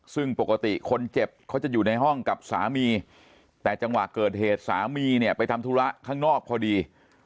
ซึ่งปกติคนเจ็บเขาจะอยู่ในห้องกับสามีแต่จังหวะเกิดเหตุสามีเนี่ยไปทำธุระข้างนอกพอดี